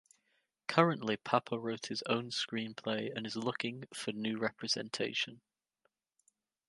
Currently Papa wrote his own screenplay and is looking for new representation.